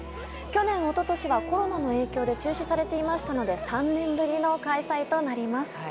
去年、一昨年はコロナの影響で中止されていましたので３年ぶりの開催となります。